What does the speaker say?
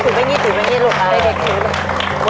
ถือแบบนี้ถือแบบนี้ถือแบบนี้ลูกค้า